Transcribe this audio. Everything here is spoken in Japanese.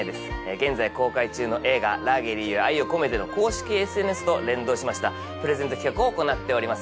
現在公開中の映画「ラーゲリより愛を込めて」の公式ＳＮＳと連動しましたプレゼント企画を行っております